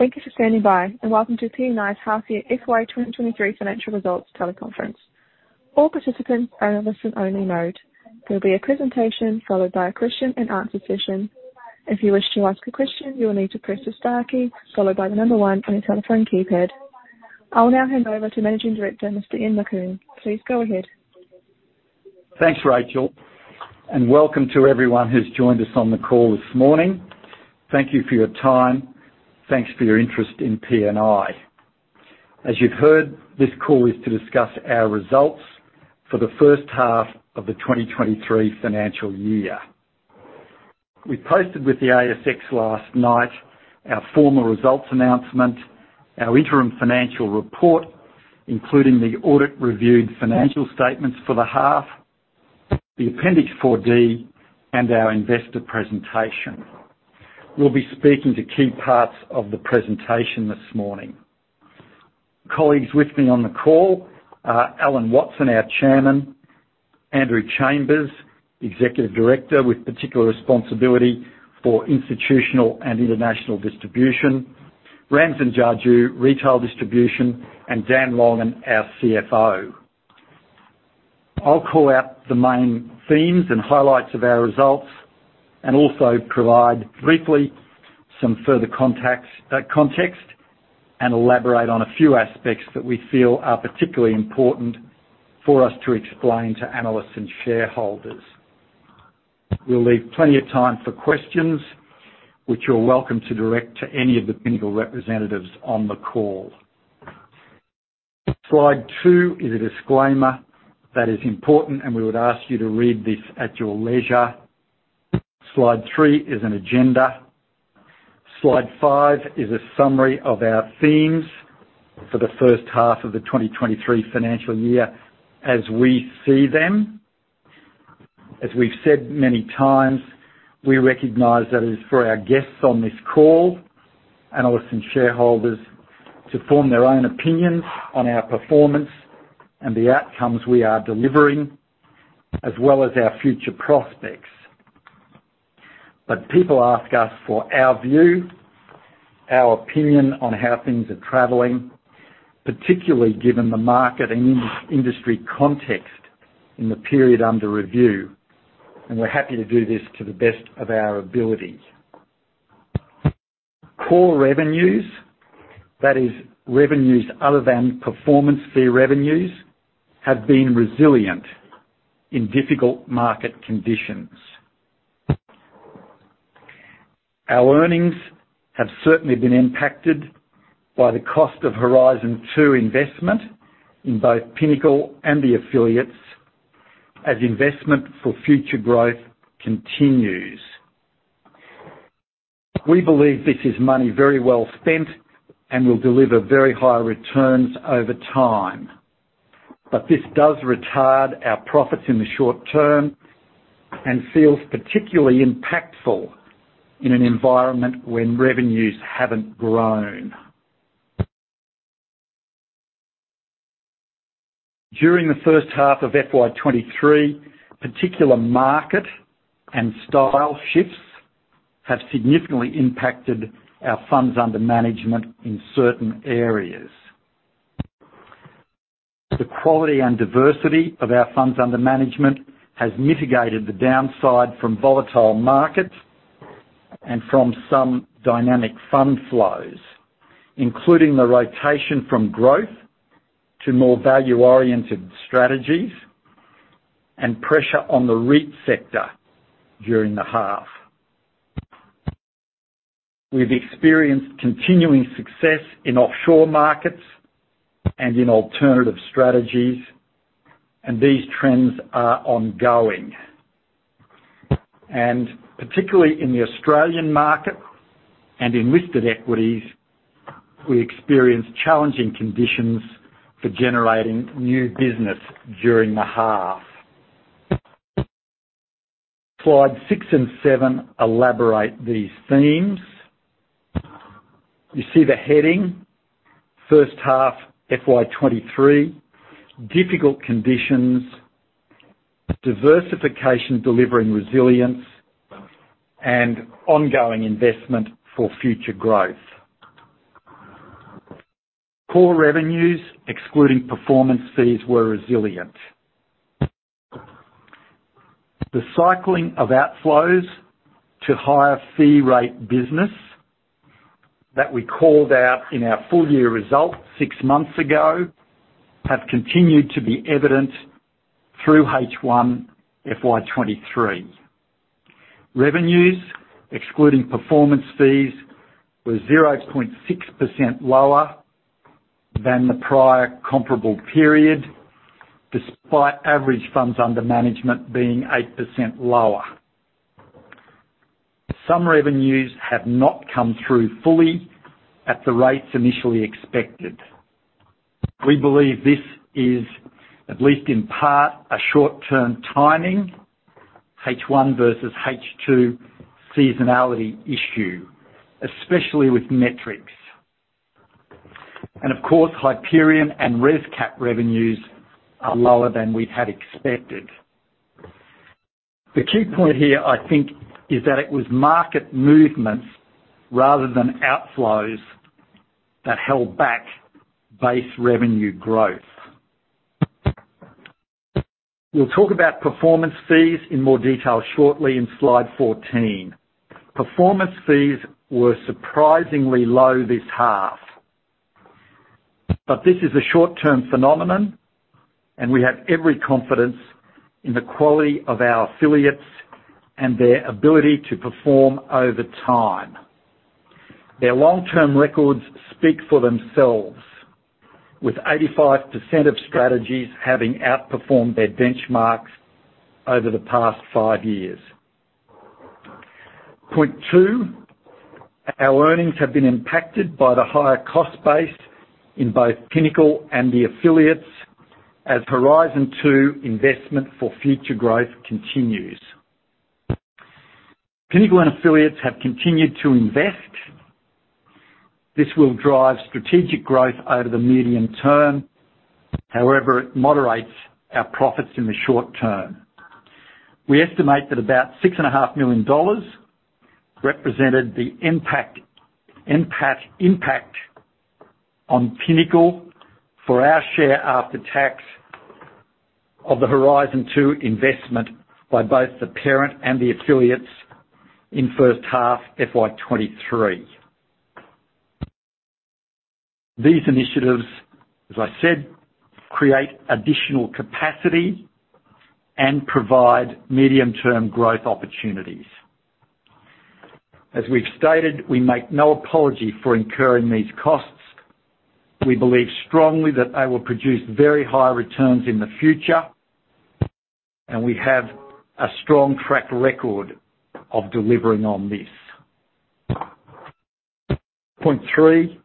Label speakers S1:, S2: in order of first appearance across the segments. S1: Thank you for standing by, and welcome to PNI's half year FY 2023 financial results teleconference. All participants are in a listen-only mode. There will be a presentation followed by a question-and-answer session. If you wish to ask a question, you will need to press the star key followed by the number one on your telephone keypad. I will now hand over to Managing Director, Mr. Ian Macoun. Please go ahead.
S2: Thanks, Rachel, and welcome to everyone who's joined us on the call this morning. Thank you for your time. Thanks for your interest in PNI. As you've heard, this call is to discuss our results for the first half of the 2023 financial year. We posted with the ASX last night our formal results announcement, our interim financial report, including the audit-reviewed financial statements for the half, the Appendix 4D, and our investor presentation. We'll be speaking to key parts of the presentation this morning. Colleagues with me on the call are Alan Watson, our Chairman, Andrew Chambers, Executive Director with particular responsibility for institutional and international distribution, Ramsin Jajoo, retail distribution, and Dan Longan, our CFO. I'll call out the main themes and highlights of our results and also provide briefly some further contacts, context, and elaborate on a few aspects that we feel are particularly important for us to explain to analysts and shareholders. We'll leave plenty of time for questions, which you're welcome to direct to any of the Pinnacle representatives on the call. Slide two is a disclaimer that is important. We would ask you to read this at your leisure. Slide three is an agenda. Slide five is a summary of our themes for the first half of the 2023 financial year as we see them. As we've said many times, we recognize that it is for our guests on this call, analysts and shareholders, to form their own opinions on our performance and the outcomes we are delivering, as well as our future prospects. People ask us for our view, our opinion on how things are traveling, particularly given the market and industry context in the period under review. We're happy to do this to the best of our ability. Core revenues, that is, revenues other than performance fee revenues, have been resilient in difficult market conditions. Our earnings have certainly been impacted by the cost of Horizon 2 investment in both Pinnacle and the affiliates as investment for future growth continues. We believe this is money very well spent and will deliver very high returns over time. This does retard our profits in the short term and feels particularly impactful in an environment when revenues haven't grown. During the first half of FY 2023, particular market and style shifts have significantly impacted our funds under management in certain areas. The quality and diversity of our funds under management has mitigated the downside from volatile markets and from some dynamic fund flows, including the rotation from growth to more value-oriented strategies and pressure on the REIT sector during the half. We've experienced continuing success in offshore markets and in alternative strategies. These trends are ongoing. Particularly in the Australian market and in listed equities, we experienced challenging conditions for generating new business during the half. Slide six and seven elaborate these themes. You see the heading, First half FY 2023, Difficult conditions, Diversification delivering resilience, Ongoing investment for future growth. Core revenues, excluding performance fees, were resilient. The cycling of outflows to higher fee rate business that we called out in our full year results 6 months ago have continued to be evident through H1 FY 2023. Revenues, excluding performance fees, were 0.6% lower than the prior comparable period, despite average funds under management being 8% lower. Some revenues have not come through fully at the rates initially expected. We believe this is, at least in part, a short-term timing, H1 versus H2 seasonality issue, especially with Metrics. Of course, Hyperion and ResCap revenues are lower than we had expected. The key point here, I think, is that it was market movements rather than outflows that held back base revenue growth. We'll talk about performance fees in more detail shortly in slide 14. Performance fees were surprisingly low this half. This is a short-term phenomenon, and we have every confidence in the quality of our affiliates and their ability to perform over time. Their long-term records speak for themselves, with 85% of strategies having outperformed their benchmarks over the past five years. Point two, our earnings have been impacted by the higher cost base in both Pinnacle and the affiliates as Horizon 2 investment for future growth continues. Pinnacle and affiliates have continued to invest. This will drive strategic growth over the medium term. However, it moderates our profits in the short term. We estimate that about six and a half million dollars represented the impact on Pinnacle for our share after tax of the Horizon 2 investment by both the parent and the affiliates in first half FY 2023. These initiatives, as I said, create additional capacity and provide medium-term growth opportunities. As we've stated, we make no apology for incurring these costs. We believe strongly that they will produce very high returns in the future, and we have a strong track record of delivering on this. Point three,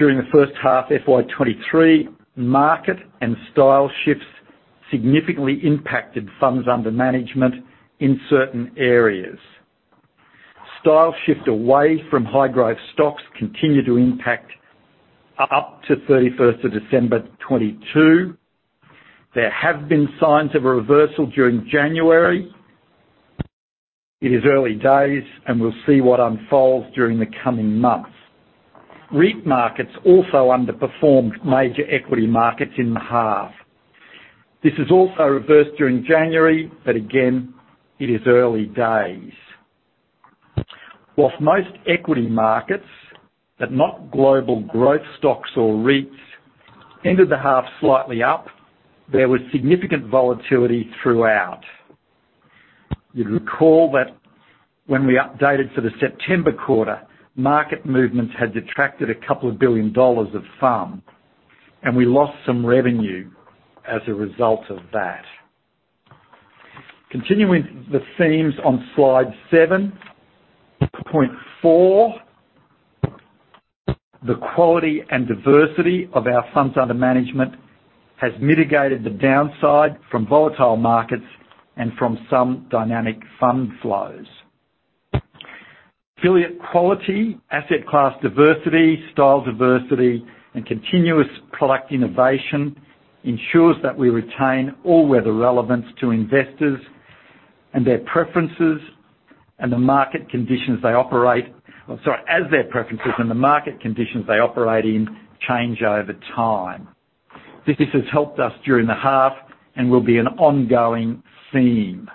S2: during the first half FY 2023, market and style shifts significantly impacted funds under management in certain areas. Style shift away from high growth stocks continued to impact up to 31st of December 2022. There have been signs of a reversal during January. It is early days, and we'll see what unfolds during the coming months. REIT markets also underperformed major equity markets in half. This has also reversed during January, but again, it is early days. Whilst most equity markets, but not global growth stocks or REITs, ended the half slightly up, there was significant volatility throughout. You'd recall that when we updated for the September quarter, market movements had detracted 2 billion dollars of FUM. We lost some revenue as a result of that. Continuing the themes on slide seven, point four, the quality and diversity of our funds under management has mitigated the downside from volatile markets and from some dynamic fund flows. Affiliate quality, asset class diversity, style diversity, and continuous product innovation ensures that we retain all weather relevance to investors as their preferences and the market conditions they operate in change over time. This has helped us during the half and will be an ongoing theme.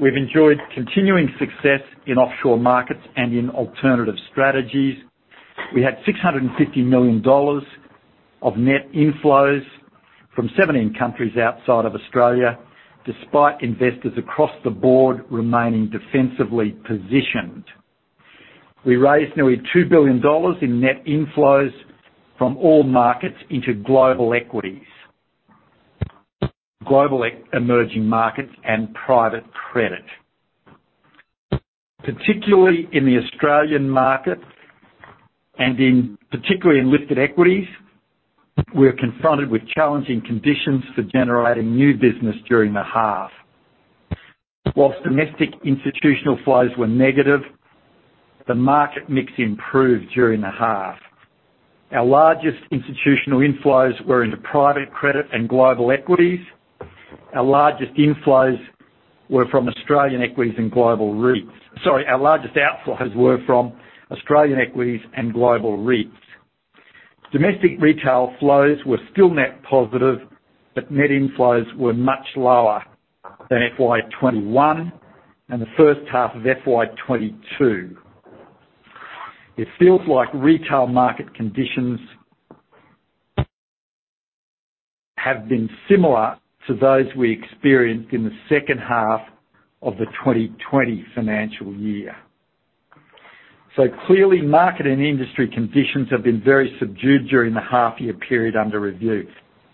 S2: We've enjoyed continuing success in offshore markets and in alternative strategies. We had 650 million dollars of net inflows from 17 countries outside of Australia, despite investors across the board remaining defensively positioned. We raised nearly 2 billion dollars in net inflows from all markets into global equities, global emerging markets, and private credit. Particularly in the Australian market, particularly in listed equities, we're confronted with challenging conditions for generating new business during the half. Domestic institutional flows were negative, the market mix improved during the half. Our largest institutional inflows were into private credit and global equities. Our largest inflows were from Australian equities and global REITs. Sorry, our largest outflows were from Australian equities and global REITs. Domestic retail flows were still net positive, net inflows were much lower than FY 2021 and the first half of FY 2022. It feels like retail market conditions have been similar to those we experienced in the second half of the 2020 financial year. Clearly, market and industry conditions have been very subdued during the half year period under review.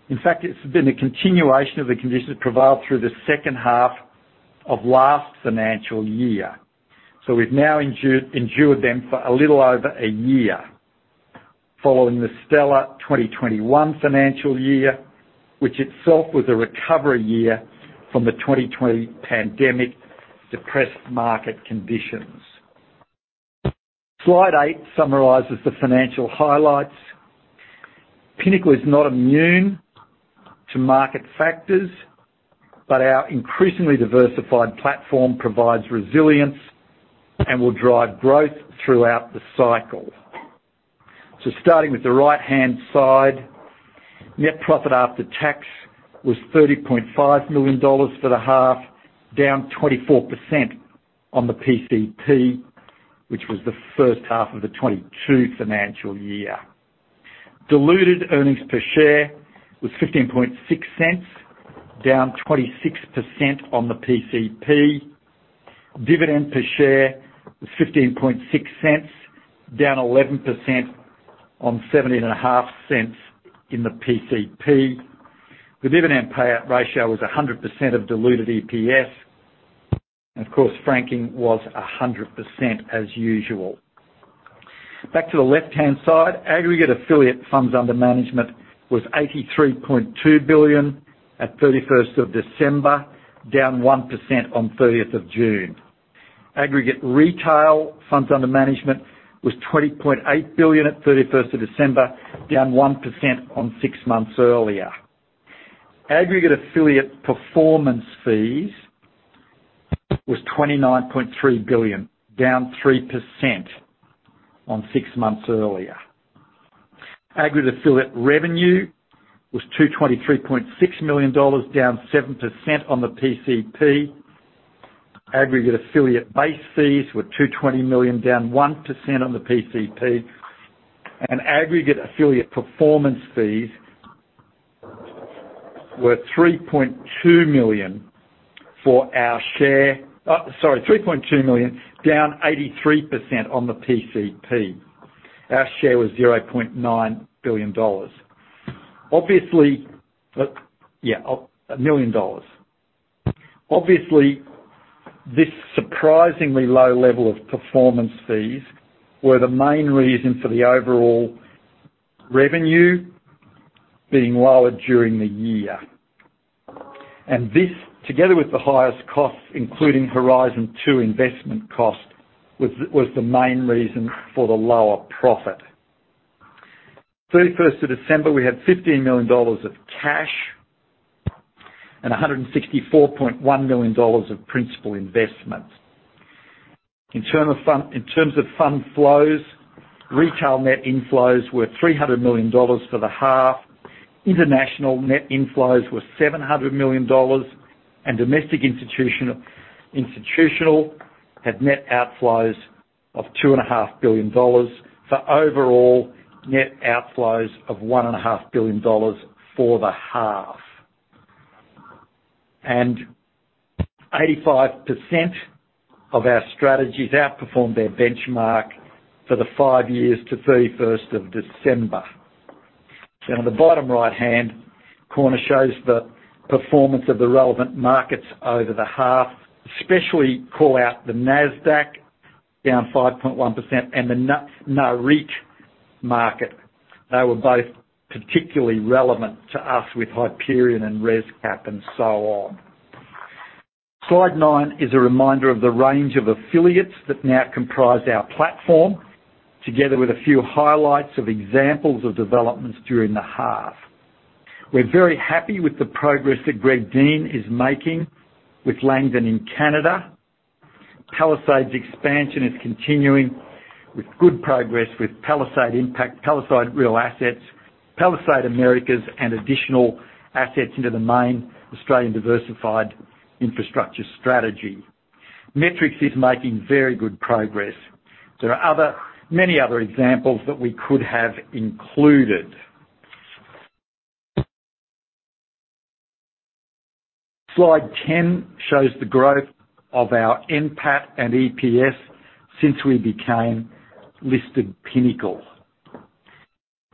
S2: In fact, it's been a continuation of the conditions prevailed through the second half of last financial year. We've now endured them for a little over a year following the stellar 2020 financial year, which itself was a recovery year from the 2020 pandemic depressed market conditions. Slide 8 summarizes the financial highlights. Pinnacle is not immune to market factors, our increasingly diversified platform provides resilience and will drive growth throughout the cycle. Starting with the right-hand side, net profit after tax was 30.5 million dollars for the half, down 24% on the PCP, which was the first half of the 2022 financial year. Diluted earnings per share was 0.156, down 26% on the PCP. Dividend per share was 0.156, down 11% on 0.175 in the PCP. The dividend payout ratio was 100% of diluted EPS. Of course, franking was 100% as usual. Back to the left-hand side. Aggregate affiliate funds under management was 83.2 billion at 31st of December, down 1% on 30th of June. Aggregate retail funds under management was AUD 20.8 billion at 31st of December, down 1% on six months earlier. Aggregate affiliate performance fees was AUD 29.3 billion, down 3% on six months earlier. Aggregate affiliate revenue was 223.6 million dollars, down 7% on the PCP. Aggregate affiliate base fees were 220 million, down 1% on the PCP. Aggregate affiliate performance fees were 3.2 million for our share... Oh, sorry. 3.2 million, down 83% on the PCP. Our share was 0.9 billion dollars. Obviously, 1 million dollars. Obviously, this surprisingly low level of performance fees were the main reason for the overall revenue being lower during the year. This, together with the highest costs, including Horizon 2 investment cost, was the main reason for the lower profit. 31st of December, we had 15 million dollars of cash and 164.1 million dollars of principal investment. In terms of fund flows, retail net inflows were 300 million dollars for the half, international net inflows were 700 million dollars, domestic institutional had net outflows of 2.5 billion dollars, for overall net outflows of 1.5 billion dollars for the half. 85% of our strategies outperformed their benchmark for the five years to 31st of December. The bottom right-hand corner shows the performance of the relevant markets over the half, especially call out the NASDAQ, down 5.1%, and the non-REIT market. They were both particularly relevant to us with Hyperion and ResCap and so on. Slide 9 is a reminder of the range of affiliates that now comprise our platform, together with a few highlights of examples of developments during the half. We're very happy with the progress that Greg Dean is making with Langdon in Canada. Palisade's expansion is continuing with good progress with Palisade Impact, Palisade Real Assets, Palisade Americas, and additional assets into the main Australian diversified infrastructure strategy. Metrics is making very good progress. There are many other examples that we could have included. Slide 10 shows the growth of our NPAT and EPS since we became listed Pinnacle.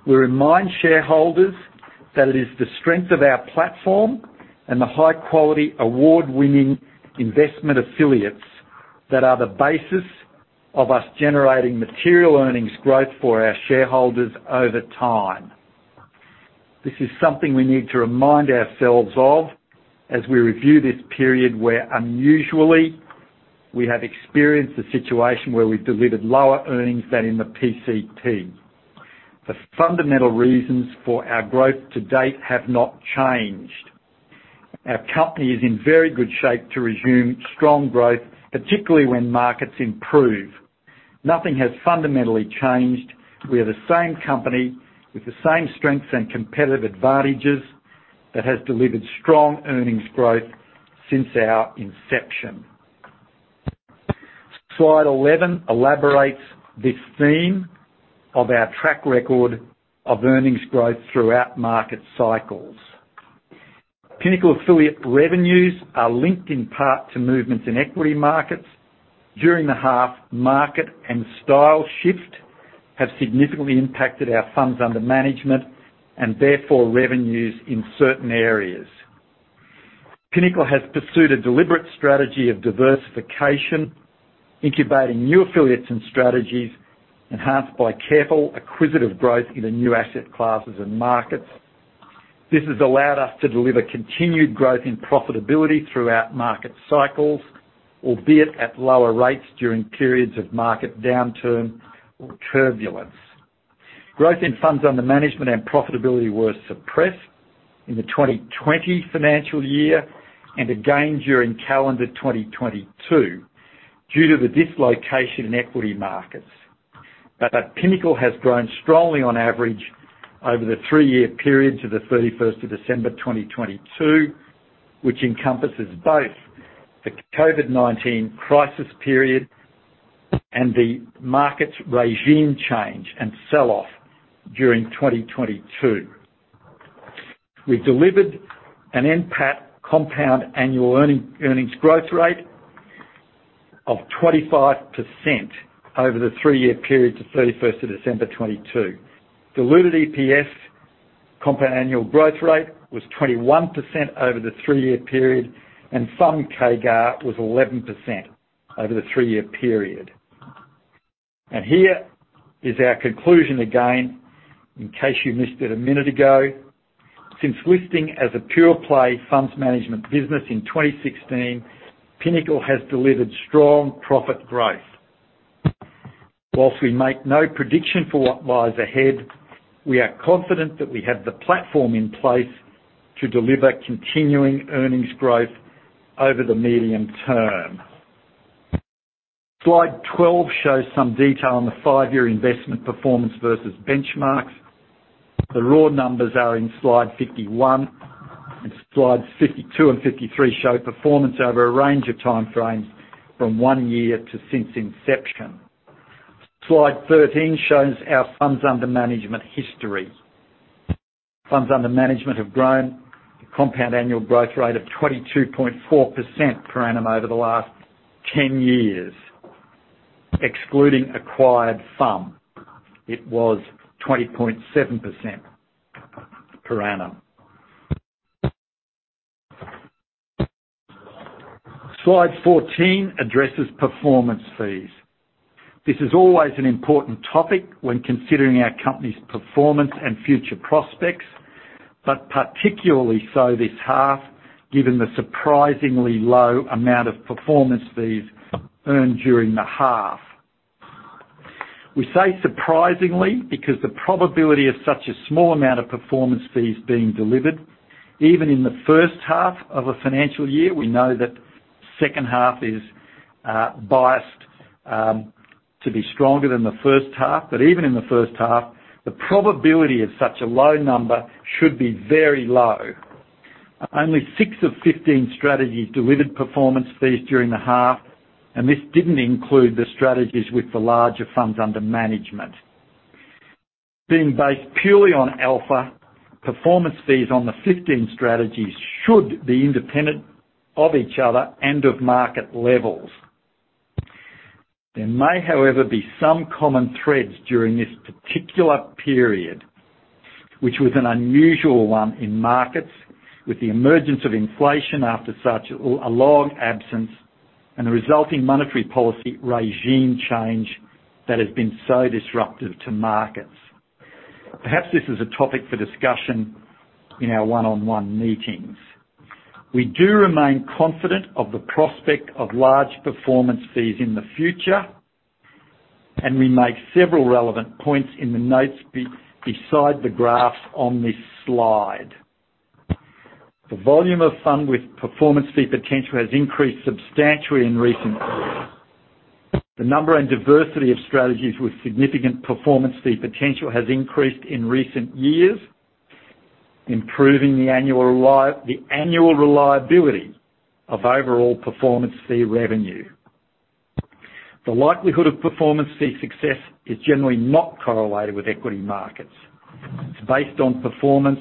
S2: We remind shareholders that it is the strength of our platform and the high-quality, award-winning investment affiliates that are the basis of us generating material earnings growth for our shareholders over time. This is something we need to remind ourselves of as we review this period where unusually we have experienced a situation where we've delivered lower earnings than in the PCP. The fundamental reasons for our growth to date have not changed. Our company is in very good shape to resume strong growth, particularly when markets improve. Nothing has fundamentally changed. We are the same company with the same strengths and competitive advantages that has delivered strong earnings growth since our inception. Slide 11 elaborates this theme of our track record of earnings growth throughout market cycles. Pinnacle affiliate revenues are linked in part to movements in equity markets. During the half, market and style shift have significantly impacted our funds under management and therefore revenues in certain areas. Pinnacle has pursued a deliberate strategy of diversification, incubating new affiliates and strategies enhanced by careful acquisitive growth into new asset classes and markets. This has allowed us to deliver continued growth in profitability throughout market cycles, albeit at lower rates during periods of market downturn or turbulence. Growth in funds under management and profitability were suppressed in the 2020 financial year, and again during calendar 2022 due to the dislocation in equity markets. Pinnacle has grown strongly on average over the three-year period to the 31st of December 2022, which encompasses both the COVID-19 crisis period and the market's regime change and sell-off during 2022. We delivered an NPAT compound annual earnings growth rate of 25% over the three-year period to 31st of December 2022. Diluted EPS compound annual growth rate was 21% over the three-year period. FUM CAGR was 11% over the three-year period. Here is our conclusion again, in case you missed it a minute ago. Since listing as a pure play funds management business in 2016, Pinnacle has delivered strong profit growth. Whilst we make no prediction for what lies ahead, we are confident that we have the platform in place to deliver continuing earnings growth over the medium term. Slide 12 shows some detail on the five-year investment performance versus benchmarks. The raw numbers are in slide 51. Slides 52 and 53 show performance over a range of time frames from one year to since inception. Slide 13 shows our funds under management history. Funds under management have grown a compound annual growth rate of 22.4% per annum over the last 10 years. Excluding acquired FUM, it was 20.7% per annum. Slide 14 addresses performance fees. This is always an important topic when considering our company's performance and future prospects, but particularly so this half, given the surprisingly low amount of performance fees earned during the half. We say surprisingly, because the probability of such a small amount of performance fees being delivered, even in the first half of a financial year, we know that second half is biased to be stronger than the first half. Even in the first half, the probability of such a low number should be very low. Only 6 of 15 strategies delivered performance fees during the half, and this didn't include the strategies with the larger funds under management. Being based purely on alpha, performance fees on the 15 strategies should be independent of each other and of market levels. There may, however, be some common threads during this particular period, which was an unusual one in markets with the emergence of inflation after such a long absence and the resulting monetary policy regime change that has been so disruptive to markets. Perhaps this is a topic for discussion in our one-on-one meetings. We do remain confident of the prospect of large performance fees in the future. We make several relevant points in the notes beside the graph on this slide. The volume of FUM with performance fee potential has increased substantially in recent years. The number and diversity of strategies with significant performance fee potential has increased in recent years, improving the annual reliability of overall performance fee revenue. The likelihood of performance fee success is generally not correlated with equity markets. It's based on performance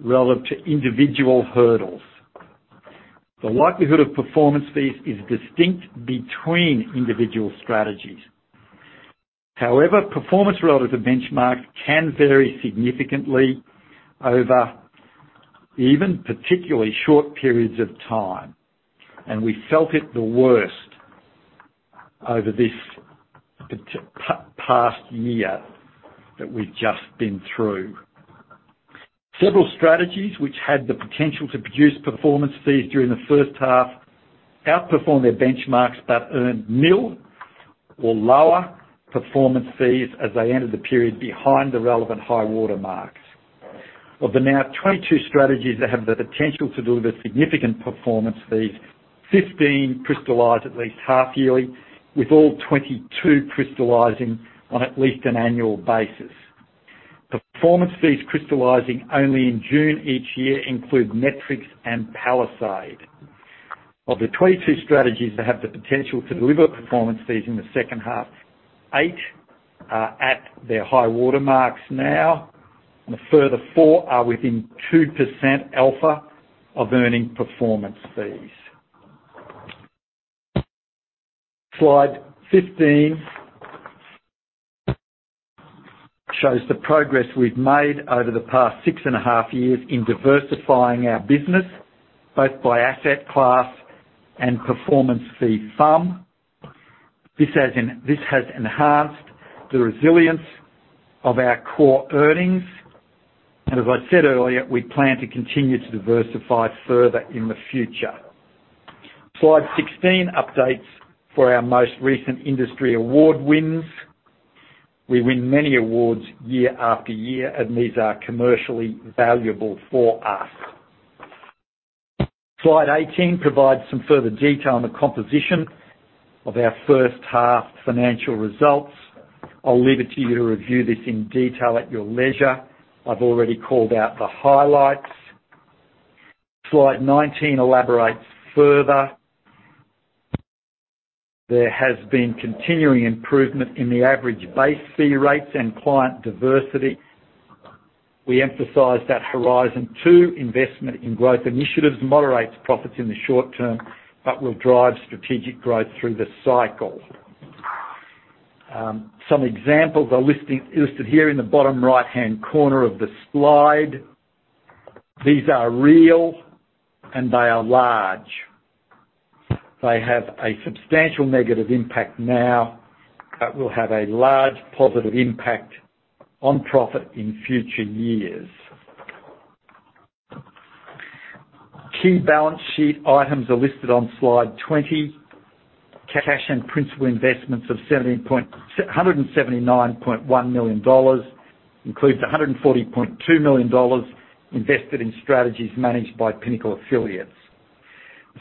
S2: relative to individual hurdles. The likelihood of performance fees is distinct between individual strategies. However, performance relative to benchmark can vary significantly over even particularly short periods of time. We felt it the worst over this past year that we've just been through. Several strategies which had the potential to produce performance fees during the first half outperformed their benchmarks, but earned nil or lower performance fees as they entered the period behind the relevant high water marks. Of the now 22 strategies that have the potential to deliver significant performance fees, 15 crystallize at least half yearly, with all 22 crystallizing on at least an annual basis. Performance fees crystallizing only in June each year include Metrics and Palisade. Of the 22 strategies that have the potential to deliver performance fees in the second half, eight are at their high water marks now, and a further four are within 2% alpha of earning performance fees. Slide 15 shows the progress we've made over the past 6 and a half years in diversifying our business, both by asset class and performance fee FUM. This has enhanced the resilience of our core earnings. As I said earlier, we plan to continue to diversify further in the future. Slide 16 updates for our most recent industry award wins. We win many awards year after year. These are commercially valuable for us. Slide 18 provides some further detail on the composition of our first half financial results. I'll leave it to you to review this in detail at your leisure. I've already called out the highlights. Slide 19 elaborates further. There has been continuing improvement in the average base fee rates and client diversity. We emphasize that Horizon 2 investment in growth initiatives moderates profits in the short term but will drive strategic growth through the cycle. Some examples are listing, illustrated here in the bottom right-hand corner of the slide. These are real, and they are large. They have a substantial negative impact now that will have a large positive impact on profit in future years. Key balance sheet items are listed on slide 20. Cash and principal investments of 179.1 million dollars includes 140.2 million dollars invested in strategies managed by Pinnacle affiliates.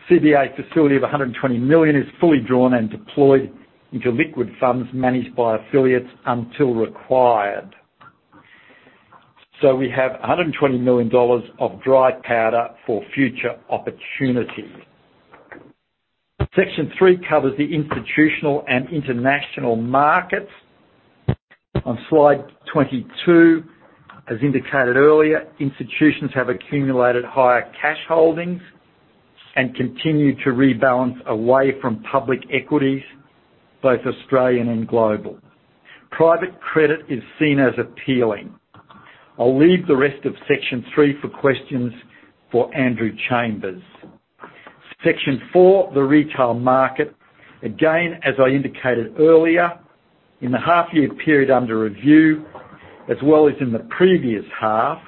S2: CBA facility of 120 million is fully drawn and deployed into liquid funds managed by affiliates until required. We have 120 million dollars of dry powder for future opportunities. Section three covers the institutional and international markets. On slide 22, as indicated earlier, institutions have accumulated higher cash holdings and continue to rebalance away from public equities, both Australian and global. Private credit is seen as appealing. I'll leave the rest of section three for questions for Andrew Chambers. Section four, the retail market. As I indicated earlier, in the half year period under review, as well as in the previous half,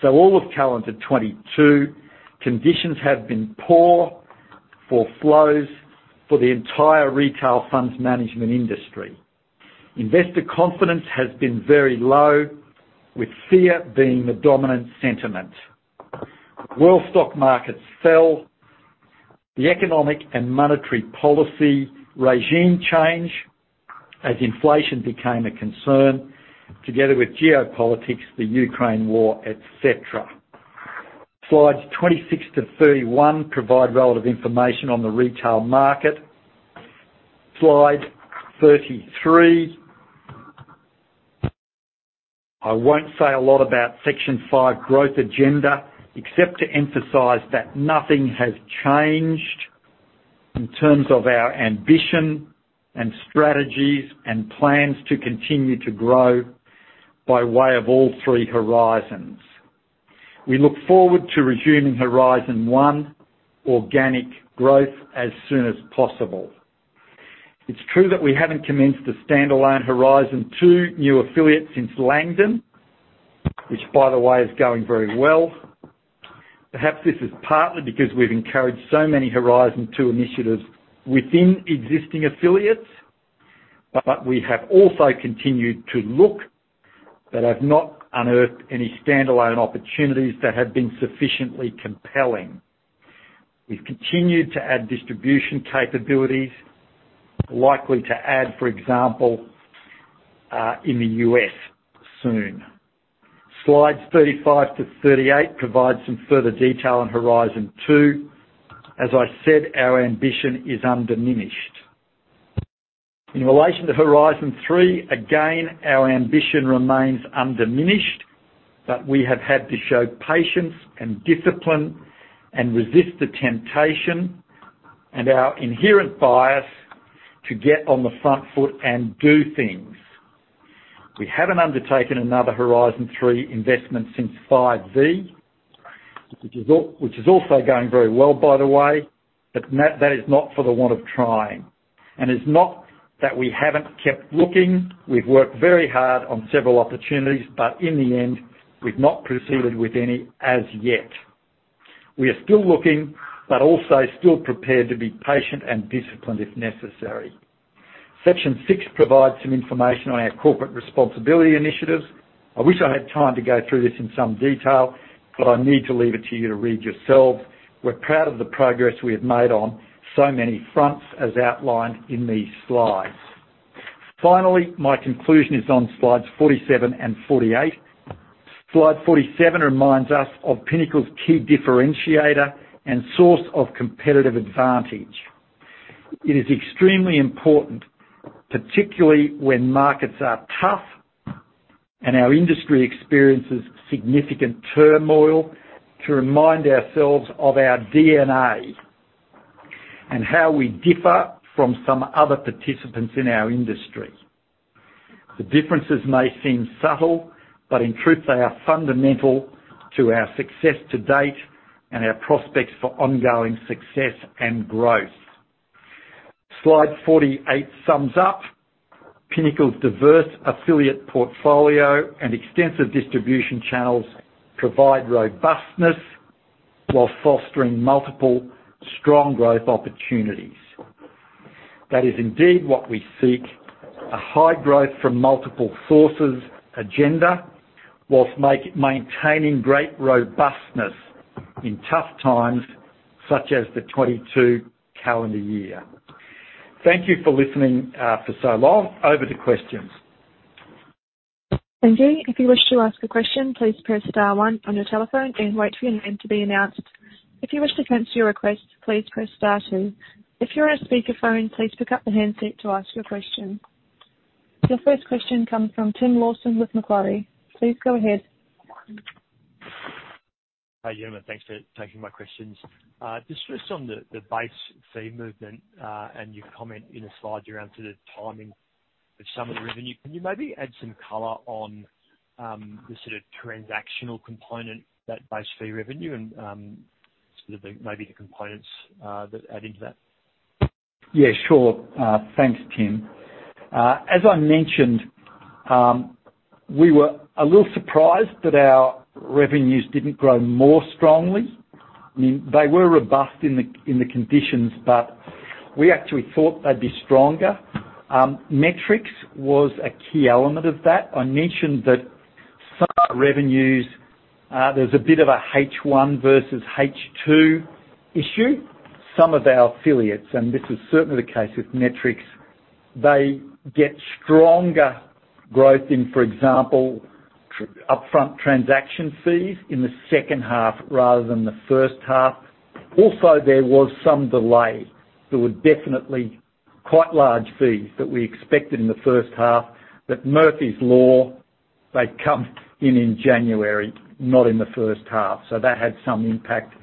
S2: so all of calendar 22, conditions have been poor for flows for the entire retail funds management industry. Investor confidence has been very low, with fear being the dominant sentiment. World stock markets fell, the economic and monetary policy regime change as inflation became a concern, together with geopolitics, the Ukraine war, et cetera. Slides 26-31 provide relevant information on the retail market. Slide 33. I won't say a lot about Section five growth agenda, except to emphasize that nothing has changed in terms of our ambition and strategies and plans to continue to grow by way of all three Horizons. We look forward to resuming Horizon 1 organic growth as soon as possible. It's true that we haven't commenced a standalone Horizon 2 new affiliate since Langdon, which by the way, is going very well. Perhaps this is partly because we've encouraged so many Horizon 2 initiatives within existing affiliates. We have also continued to look that have not unearthed any standalone opportunities that have been sufficiently compelling. We've continued to add distribution capabilities, likely to add, for example, in the U.S. soon. Slides 35-38 provide some further detail on Horizon 2. As I said, our ambition is undiminished. In relation to Horizon 3, again, our ambition remains undiminished, but we have had to show patience and discipline and resist the temptation and our inherent bias to get on the front foot and do things. We haven't undertaken another Horizon 3 investment since Five V, which is also going very well, by the way, but that is not for the want of trying. It's not that we haven't kept looking. We've worked very hard on several opportunities, but in the end, we've not proceeded with any as yet. We are still looking, but also still prepared to be patient and disciplined if necessary. Section six provides some information on our corporate responsibility initiatives. I wish I had time to go through this in some detail, but I need to leave it to you to read yourselves. We're proud of the progress we have made on so many fronts as outlined in these slides. My conclusion is on slides 47 and 48. Slide 47 reminds us of Pinnacle's key differentiator and source of competitive advantage. It is extremely important, particularly when markets are tough and our industry experiences significant turmoil, to remind ourselves of our DNA and how we differ from some other participants in our industry. The differences may seem subtle, in truth, they are fundamental to our success to date and our prospects for ongoing success and growth. Slide 48 sums up Pinnacle's diverse affiliate portfolio and extensive distribution channels provide robustness while fostering multiple strong growth opportunities. That is indeed what we seek: a high growth from multiple sources agenda, whilst maintaining great robustness in tough times, such as the 22 calendar year. Thank you for listening for so long. Over to questions.
S1: Thank you. If you wish to ask a question, please press star one on your telephone then wait for your name to be announced. If you wish to cancel your request, please press star two. If you're on a speaker phone, please pick up the handset to ask your question. Your first question comes from Tim Lawson with Macquarie. Please go ahead.
S3: Hi, Ian. Thanks for taking my questions. just first on the base fee movement, and your comment in the slide around sort of timing of some of the revenue. Can you maybe add some color on, the sort of transactional component, that base fee revenue and, sort of maybe the components that add into that?
S2: Yeah, sure. Thanks, Tim. As I mentioned, we were a little surprised that our revenues didn't grow more strongly. I mean, they were robust in the conditions, but we actually thought they'd be stronger. Metrics was a key element of that. I mentioned that some revenues, there's a bit of a H one versus H two issue. Some of our affiliates, and this is certainly the case with Metrics, they get stronger growth in, for example, upfront transaction fees in the second half rather than the first half. There was some delay. There were definitely quite large fees that we expected in the first half, Murphy's Law, they come in in January, not in the first half, so that had some impact.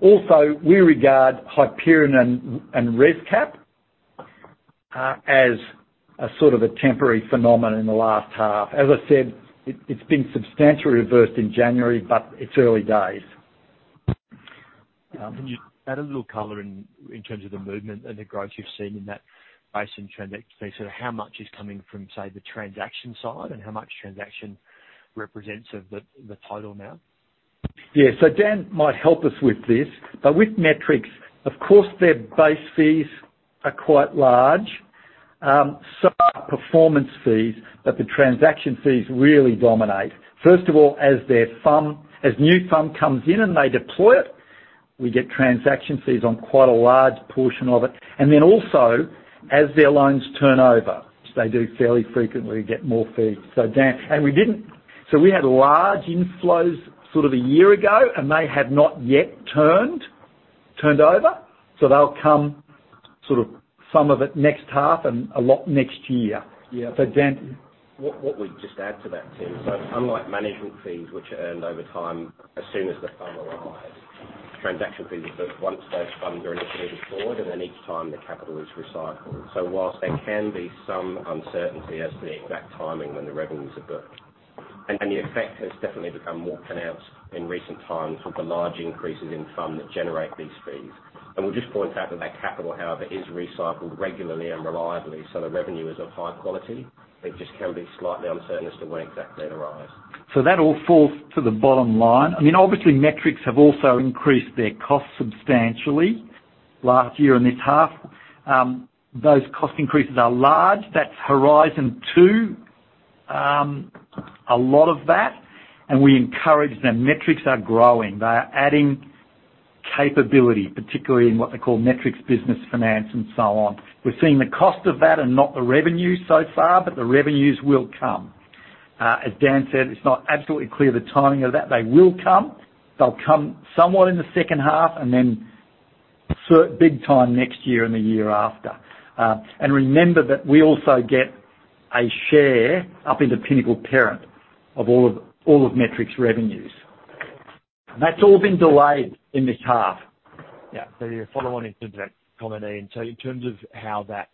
S2: Also, we regard Hyperion and ResCap as a sort of a temporary phenomenon in the last half. As I said, it's been substantially reversed in January, but it's early days.
S3: Can you add a little color in terms of the movement and the growth you've seen in that base in transaction, how much is coming from, say, the transaction side, and how much transaction represents of the total now?
S2: Dan might help us with this. With Metrics, of course, their base fees are quite large. So are performance fees, but the transaction fees really dominate. First of all, as their fund, as new fund comes in and they deploy it, we get transaction fees on quite a large portion of it. And then also, as their loans turn over, which they do fairly frequently, get more fees. Dan. We had large inflows sort of a year ago, and they have not yet turned over. They'll come, sort of, some of it next half and a lot next year.
S3: Yeah.
S2: Dan.
S4: What we just add to that, Tim. Unlike management fees, which are earned over time as soon as the fund arrives, transaction fees are booked once those funds are initially deployed and then each time the capital is recycled. Whilst there can be some uncertainty as to the exact timing when the revenues are booked, and the effect has definitely become more pronounced in recent times with the large increases in funds that generate these fees. We'll just point out that capital, however, is recycled regularly and reliably, so the revenue is of high quality. It just can be slightly uncertain as to when exactly it arrives.
S2: That all falls to the bottom line. I mean, obviously, Metrics have also increased their costs substantially last year and this half. Those cost increases are large. That's Horizon 2. A lot of that, and we encourage them. Metrics are growing. They are adding capability, particularly in what they call Metrics Business Finance and so on. We're seeing the cost of that and not the revenue so far, but the revenues will come. As Dan said, it's not absolutely clear the timing of that. They will come. They'll come somewhat in the second half and then big time next year and the year after. Remember that we also get a share up in the Pinnacle parent of all of Metrics' revenues. That's all been delayed in this half.
S3: Yeah. A follow on into that comment, Ian. In terms of how that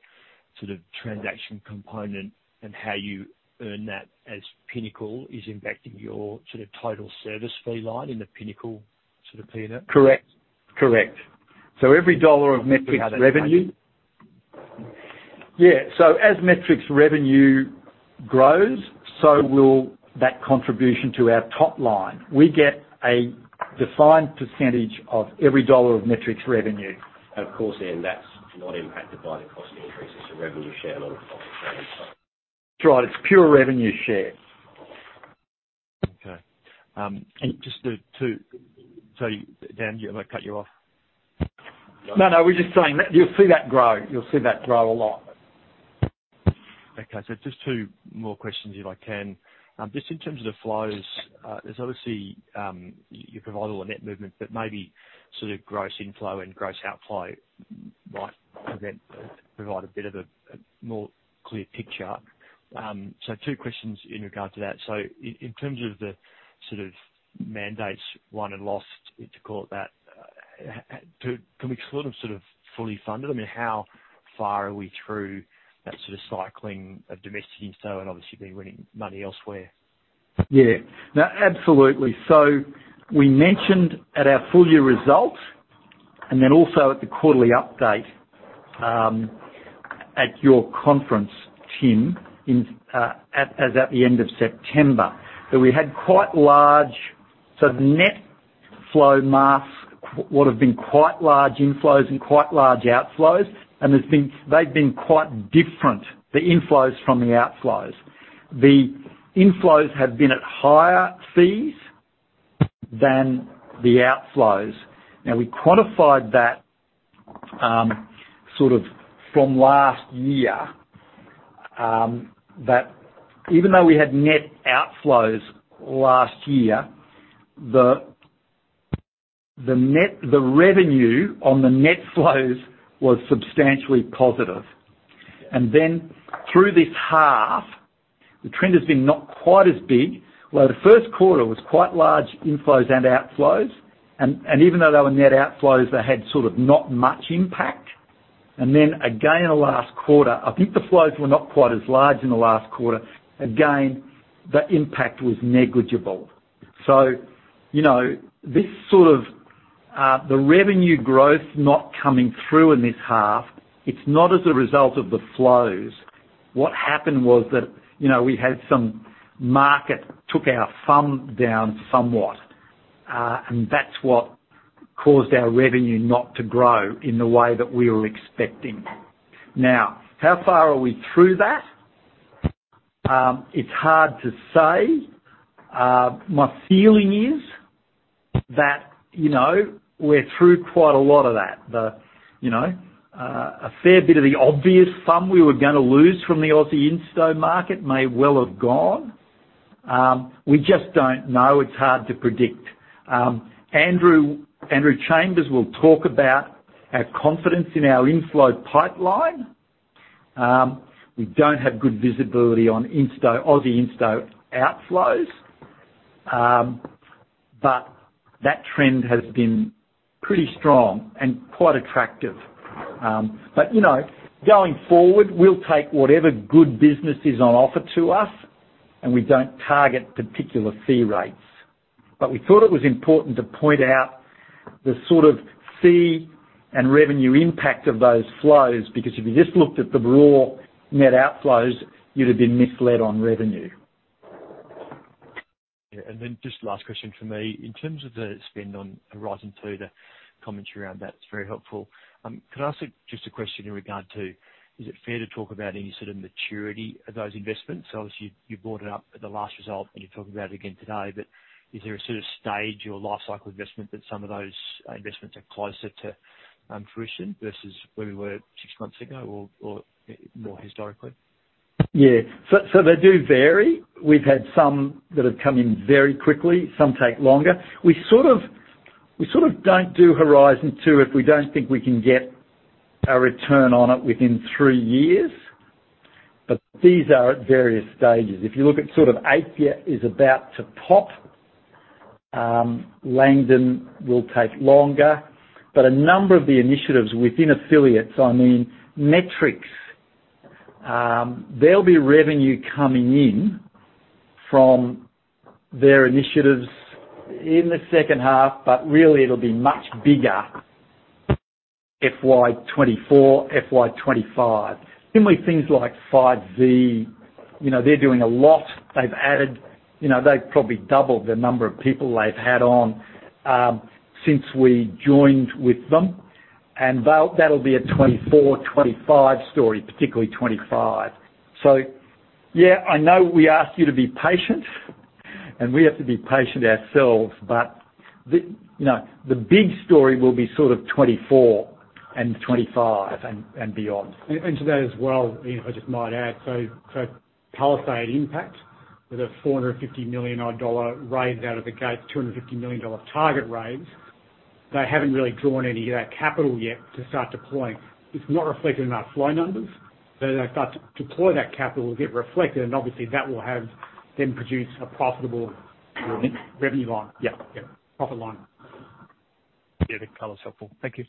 S3: sort of transaction component and how you earn that as Pinnacle is impacting your sort of total service fee line in the Pinnacle sort of P&L?
S2: Correct. Correct. Every dollar of Metrics' revenue. Yeah. As Metrics' revenue grows, so will that contribution to our top line. We get a defined percentage of every dollar of Metrics' revenue.
S4: Of course, Ian, that's not impacted by the cost increases, the revenue share model of the.
S2: That's right. It's pure revenue share.
S3: Okay. Just to Sorry, Dan, did I cut you off?
S2: No, no. We're just saying that you'll see that grow, you'll see that grow a lot.
S3: Okay. Just two more questions, if I can. Just in terms of the flows, there's obviously, you provide all the net movement, but maybe sort of gross inflow and gross outflow might then provide a bit of a more clear picture. Two questions in regard to that. In terms of the sort of mandates, one and lost, if you call it that. Can we call them sort of fully funded? I mean, how far are we through that sort of cycling of domestic insto and obviously being winning money elsewhere?
S2: Absolutely. We mentioned at our full year results and then also at the quarterly update, at your conference, Tim, at the end of September, that we had quite large, so the net flow mass would have been quite large inflows and quite large outflows. They've been quite different, the inflows from the outflows. The inflows have been at higher fees than the outflows. We quantified that, sort of from last year, that even though we had net outflows last year, the revenue on the net flows was substantially positive. Through this half, the trend has been not quite as big. The first quarter was quite large inflows and outflows. Even though they were net outflows, they had sort of not much impact. Again in the last quarter, I think the flows were not quite as large in the last quarter. Again, the impact was negligible. You know, this sort of, the revenue growth not coming through in this half, it's not as a result of the flows. What happened was that, you know, we had some market took our FUM down somewhat, and that's what caused our revenue not to grow in the way that we were expecting. How far are we through that? It's hard to say. My feeling is that, you know, we're through quite a lot of that. The, you know, a fair bit of the obvious FUM we were gonna lose from the Aussie insto market may well have gone. We just don't know. It's hard to predict. Andrew Chambers will talk about our confidence in our inflow pipeline. We don't have good visibility on insto, Aussie insto outflows. That trend has been pretty strong and quite attractive. You know, going forward, we'll take whatever good business is on offer to us, and we don't target particular fee rates. We thought it was important to point out the sort of fee and revenue impact of those flows, because if you just looked at the raw net outflows, you'd have been misled on revenue.
S3: Just last question from me. In terms of the spend on Horizon 2, the commentary around that, it's very helpful. Could I ask you just a question in regard to, is it fair to talk about any sort of maturity of those investments? Obviously you brought it up at the last result and you're talking about it again today, but is there a sort of stage or lifecycle investment that some of those investments are closer to fruition versus where we were six months ago or more historically?
S2: Yeah. They do vary. We've had some that have come in very quickly. Some take longer. We sort of don't do Horizon 2 if we don't think we can get a return on it within 3 years. These are at various stages. If you look at sort of Aikya is about to pop, Langdon will take longer. A number of the initiatives within affiliates, I mean, Metrics, there'll be revenue coming in from their initiatives in the second half, but really it'll be much bigger FY 2024, FY 2025. Similarly, things like FiveV, you know, they're doing a lot. They've added, you know, they've probably doubled the number of people they've had on since we joined with them. That'll be a 24/25 story, particularly 25. Yeah, I know we ask you to be patient and we have to be patient ourselves, but the, you know, the big story will be sort of 2024 and 2025 and beyond.
S5: To that as well, Ian, if I just might add. Palisade Impact with a $450 million odd dollar raise out of the gate, $250 million dollar target raise, they haven't really drawn any of that capital yet to start deploying. It's not reflected in our flow numbers. As they start to deploy that capital, it will get reflected and obviously that will have them produce a profitable revenue line.
S2: Yeah.
S5: Yeah. Profit line.
S3: Yeah. That's helpful. Thank you.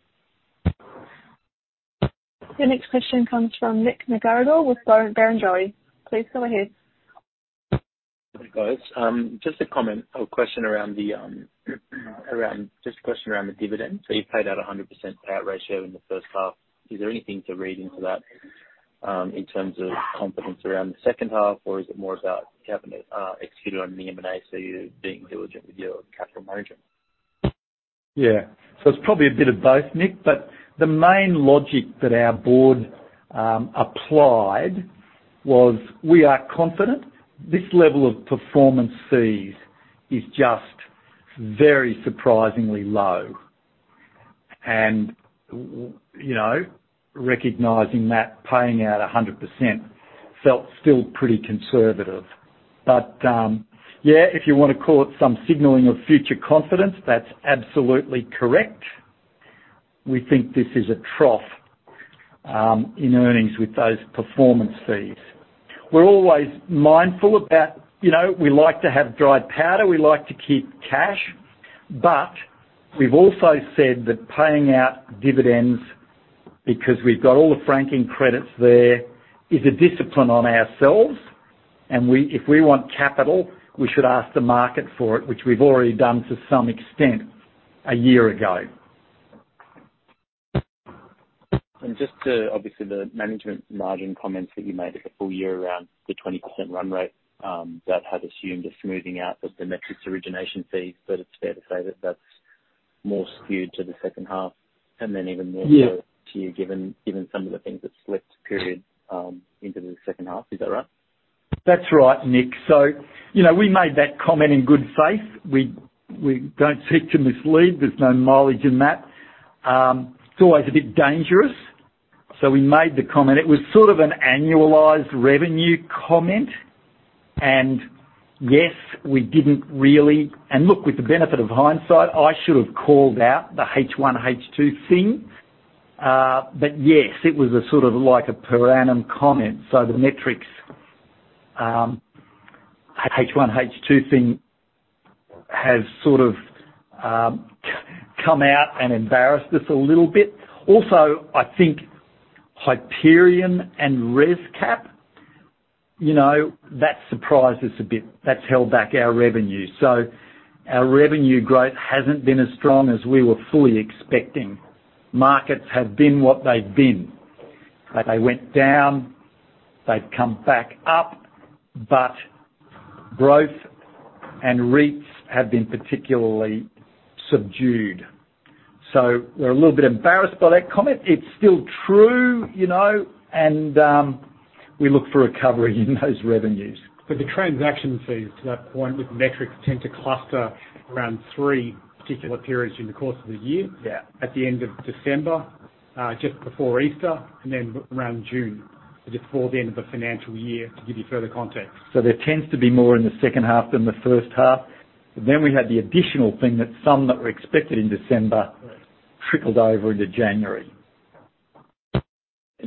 S1: Your next question comes from Nick Macgregor with Berenberg. Please go ahead.
S6: Hi, guys. Just a question around the dividend. You paid out a 100% payout ratio in the first half. Is there anything to read into that, in terms of confidence around the second half, or is it more about having executed on the M&A, so you're being diligent with your capital management?
S2: Yeah. It's probably a bit of both, Nick, but the main logic that our board applied was, we are confident this level of performance fees is just very surprisingly low. You know, recognizing that paying out 100% felt still pretty conservative. Yeah, if you wanna call it some signaling of future confidence, that's absolutely correct. We think this is a trough in earnings with those performance fees. We're always mindful about, you know, we like to have dry powder, we like to keep cash. We've also said that paying out dividends, because we've got all the franking credits there, is a discipline on ourselves. If we want capital, we should ask the market for it, which we've already done to some extent a year ago.
S6: Just to, obviously, the management margin comments that you made at the full year around the 20% run rate, that had assumed a smoothing out of the Metrics origination fees, but it's fair to say that that's more skewed to the second half.
S2: Yeah.
S6: to year given some of the things that slipped period, into the second half. Is that right?
S2: That's right, Nick. You know, we made that comment in good faith. We don't seek to mislead. There's no mileage in that. It's always a bit dangerous. We made the comment. It was sort of an annualized revenue comment. Yes, look, with the benefit of hindsight, I should have called out the H-one, H-two thing. Yes, it was a sort of like a per annum comment. The Metrics H-one, H-two thing has sort of come out and embarrassed us a little bit. Also, I think Hyperion and ResCap, you know, that surprised us a bit. That's held back our revenue. Our revenue growth hasn't been as strong as we were fully expecting. Markets have been what they've been. They went down, they've come back up, but growth and REITs have been particularly subdued. We're a little bit embarrassed by that comment. It's still true, you know, and we look for a recovery in those revenues.
S5: The transaction fees to that point with Metrics tend to cluster around three particular periods in the course of the year.
S2: Yeah.
S5: At the end of December, just before Easter, and then around June, so just before the end of the financial year, to give you further context.
S2: There tends to be more in the second half than the first half. We had the additional thing that some that were expected in December trickled over into January.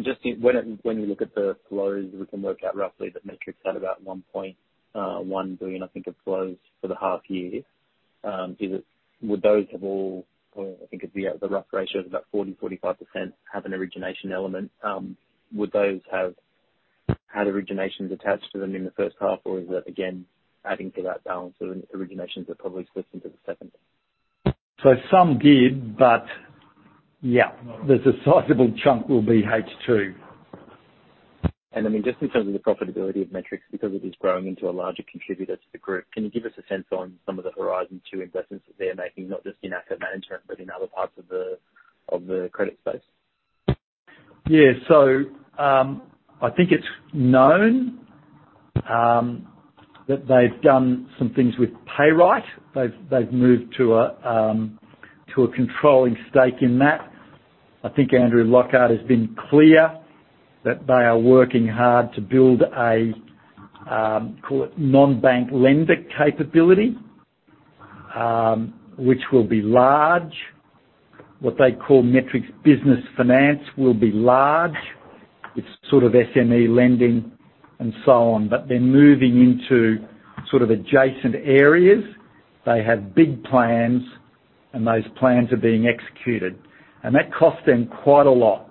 S6: Just in, when you look at the flows, we can work out roughly that Metrics had about 1.1 billion, I think it flows for the half year. Would those have all, or I think it'd be at the rough ratio of about 40%-45%, have an origination element? Would those have had originations attached to them in the first half? Is that again adding to that balance of originations that probably slipped into the second?
S2: Some did, but yeah, there's a sizable chunk will be H-two.
S6: I mean, just in terms of the profitability of Metrics, because it is growing into a larger contributor to the group, can you give us a sense on some of the Horizon 2 investments that they're making, not just in asset management, but in other parts of the, of the credit space?
S2: I think it's known that they've done some things with Payright. They've moved to a controlling stake in that. I think Andrew Lockhart has been clear that they are working hard to build a call it non-bank lender capability, which will be large. What they call Metrics Business Finance will be large. It's sort of SME lending and so on, but they're moving into sort of adjacent areas. They have big plans, and those plans are being executed. That costs them quite a lot,